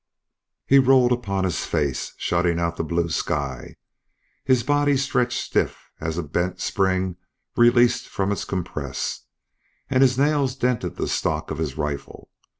He rolled upon his face, shutting out the blue sky; his body stretched stiff as a bent spring released from its compress, and his nails dented the stock of his rifle.